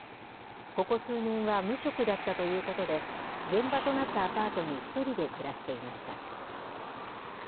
ここ数年は無職だったということで、現場となったアパートに１人で暮らしていました。